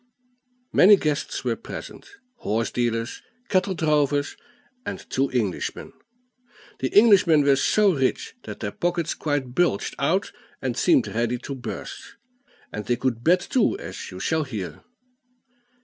Many guests were present horse dealers, cattle drovers, and two Englishmen. The Englishmen were so rich that their pockets quite bulged out and seemed ready to burst; and they could bet too, as you shall hear.